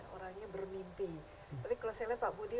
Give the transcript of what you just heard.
orangnya bermimpi tapi kalau saya lihat pak budi